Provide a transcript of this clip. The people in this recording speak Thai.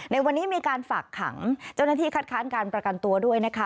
ในวันนี้มีการฝากขังเจ้าหน้าที่คัดค้านการประกันตัวด้วยนะคะ